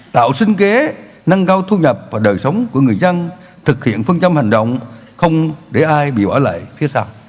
tạo sinh kế nâng cao thu nhập và đời sống của người dân thực hiện phương châm hành động không để ai bị bỏ lại phía sau